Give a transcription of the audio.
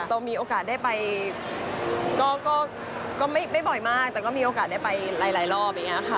เรามีโอกาสได้ไปก็ไม่บ่อยมากแต่ก็มีโอกาสได้ไปหลายรอบอย่างนี้ค่ะ